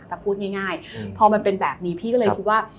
แต่พูดง่ายพอมันเป็นแบบนี้พี่ก็เลยคิดว่า